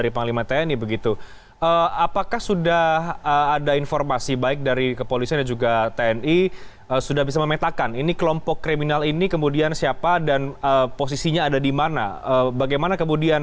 penangganan korban menembakan kelompok bersenjata di papua